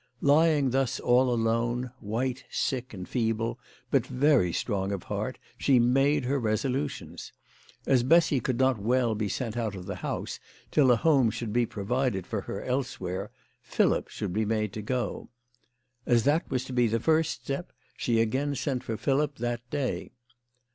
Lying thus all alone, white, sick, and feeble, but very strong of heart, she made her resolutions. As Bessy could not well be sent out of the house till a home should be provided for her elsewhere, Philip should be made to go. As that was to be the first step, she again sent for Philip that day.